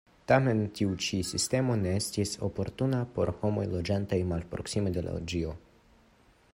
Tamen tiu ĉi sistemo ne estis oportuna por homoj loĝantaj malproksime de loĝio.